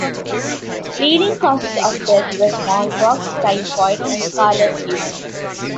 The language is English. Leading causes of death were smallpox, typhoid, and scarlet fever.